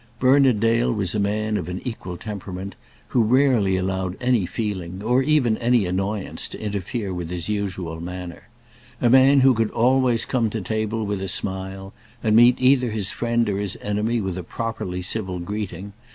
Bernard Dale was a man of an equal temperament, who rarely allowed any feeling, or even any annoyance, to interfere with his usual manner, a man who could always come to table with a smile, and meet either his friend or his enemy with a properly civil greeting.